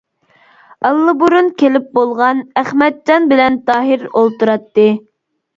ئاللىبۇرۇن كېلىپ بولغان، ئەخمەتجان بىلەن تاھىر ئولتۇراتتى.